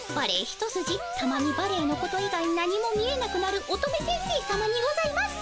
ひとすじたまにバレエのこと以外何も見えなくなる乙女先生さまにございます。